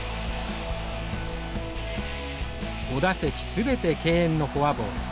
５打席全て敬遠のフォアボール。